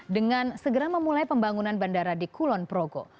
dengan segera memulai pembangunan bandara di kulon progo